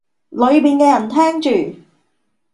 裡面嘅人聽住